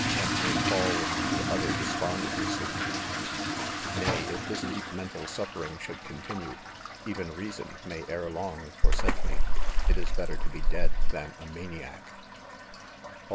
and may fall into utter des pondency J — nay, if this deep mental suffering should continue, even reason may ere long 1 , forsake me .5 it is better to* be dead than a maniac. • .'All.